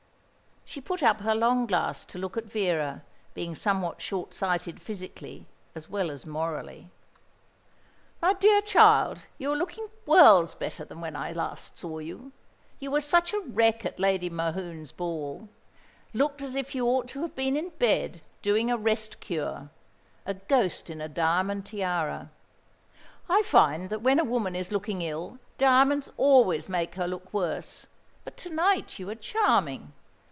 She put up her long glass to look at Vera, being somewhat short sighted physically as well as morally. "My dear child, you are looking worlds better than when I last saw you. You were such a wreck at Lady Mohun's ball; looked as if you ought to have been in bed, doing a rest cure a ghost in a diamond tiara. I find that when a woman is looking ill diamonds always make her look worse; but to night you are charming.